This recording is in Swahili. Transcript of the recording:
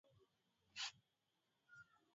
Rejesha kalamu ile kwa mwenyewe.